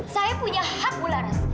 saya punya hak bularas